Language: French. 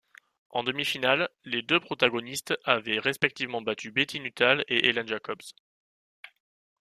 En demi-finale, les deux protagonistes avaient respectivement battu Betty Nuthall et Helen Jacobs.